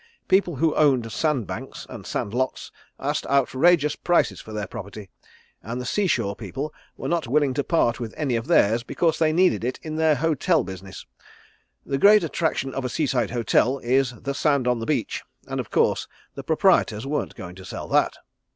People who owned sand banks and sand lots asked outrageous prices for their property; and the sea shore people were not willing to part with any of theirs because they needed it in their hotel business. The great attraction of a seaside hotel is the sand on the beach, and of course the proprietors weren't going to sell that.